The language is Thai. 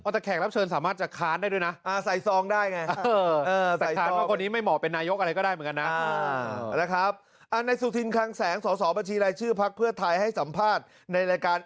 แต่แขกรับเชิญสามารถจะค้านได้ด้วยนะ